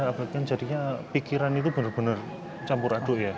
akibatnya jadinya pikiran itu benar benar campur aduk ya